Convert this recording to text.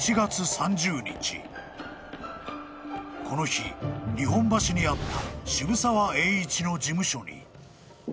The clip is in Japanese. ［この日日本橋にあった渋沢栄一の事務所に］